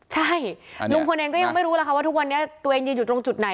ใช่ลุงพลเองก็ยังไม่รู้แล้วค่ะว่าทุกวันนี้ตัวเองยืนอยู่ตรงจุดไหน